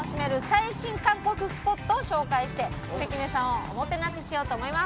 最新韓国スポットを紹介して関根さんをおもてなししようと思います。